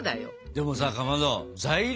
でもさかまど材料